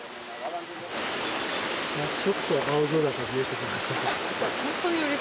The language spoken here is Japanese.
ちょっと青空が見えてきました。